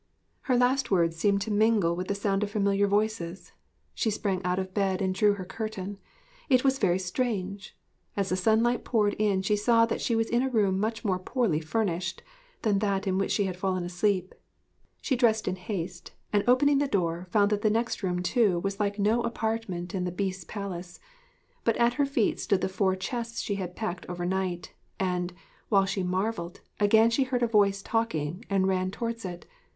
Her last words seemed to mingle with the sound of familiar voices. She sprang out of bed and drew her curtain.... It was very strange! As the sunlight poured in she saw that she was in a room much more poorly furnished than that in which she had fallen asleep. She dressed in haste, and opening the door, found that the next room too was like no apartment in the Beast's palace. But at her feet stood the four chests she had packed overnight; and, while she marvelled, again she heard a voice talking, and ran towards it.